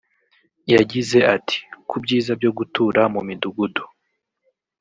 yagize ati “ku byiza byo gutura mu midugudu